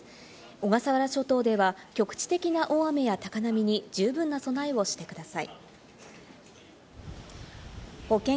小笠原諸島では局地的な大雨や高波に十分な備えをしてください。